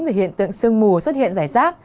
thì hiện tượng sương mù xuất hiện giải sát